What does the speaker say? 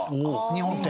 日本って。